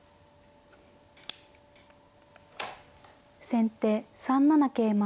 先手３七桂馬。